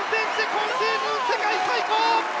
今シーズン世界最高！